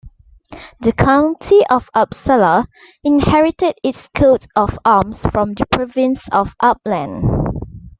The County of Uppsala inherited its coat of arms from the province of Uppland.